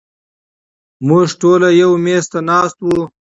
مونږ ټول يو مېز ته ناست وو